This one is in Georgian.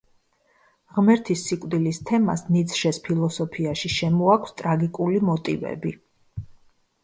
ღმერთის სიკვდილის თემას ნიცშეს ფილოსოფიაში შემოაქვს ტრაგიკული მოტივები.